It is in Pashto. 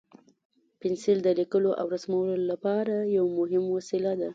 پنسل د لیکلو او رسمولو لپاره یو مهم وسیله ده.